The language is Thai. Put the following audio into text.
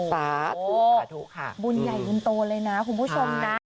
สาธุสาธุค่ะ